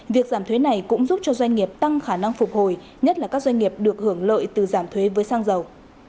việc giảm thuế này cũng giúp cho doanh nghiệp tăng khả năng phục hồi nhất là các doanh nghiệp được hưởng lợi từ giảm thuế với xăng dầu